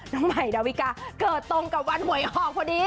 น้องใหม่ดาวิกาเกิดตรงกับวันหวยออกพอดี